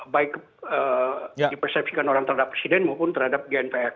baik dipersepsikan orang terhadap presiden maupun terhadap gnpf